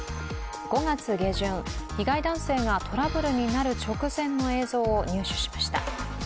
５月下旬、被害男性がトラブルになる直前の映像を入手しました。